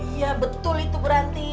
iya betul itu berarti